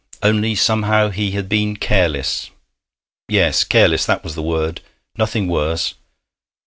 Only somehow he had been careless. Yes, careless; that was the word ... nothing worse....